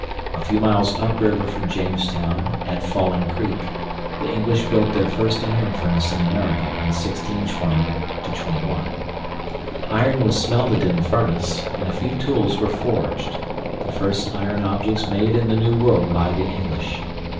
A few miles upriver from Jamestown, at Falling Creek, the English built their first iron furnace in America in 1620 21. Iron was smelted in the furnace, and a few tools were forged the first iron objects made in the New World by the English.